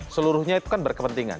seluruhnya itu kan berkepentingan